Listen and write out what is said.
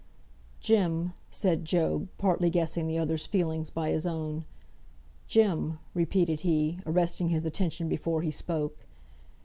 "Jem!" said Job, partly guessing the other's feelings by his own. "Jem!" repeated he, arresting his attention before he spoke.